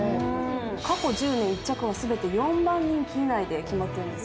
過去１０年１着は全て４番人気以内で決まってるんですよね。